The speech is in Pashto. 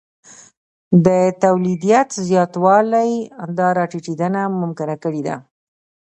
د تولیدیت زیاتوالی دا راټیټېدنه ممکنه کړې ده